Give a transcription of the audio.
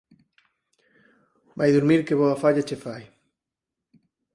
Vai durmir que boa falla che fai.